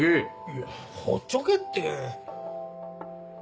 いやほっちょけって。